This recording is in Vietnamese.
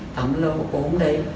tắm lâu ốm đấy